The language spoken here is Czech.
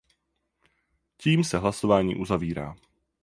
Tím se hlasování uzavírá.